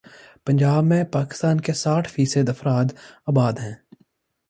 پنجاب میں پاکستان کے ساٹھ فی صد افراد آباد ہیں۔